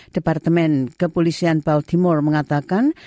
departemen kepolisian baltimore mengatakan